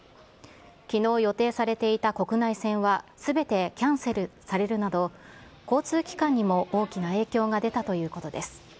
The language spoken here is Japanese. きのう予定されていた国内線はすべてキャンセルされるなど、交通機関にも大きな影響が出たということです。